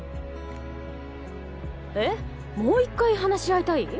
えっもう１回話し合いたい？